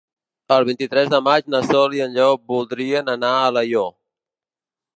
El vint-i-tres de maig na Sol i en Lleó voldrien anar a Alaior.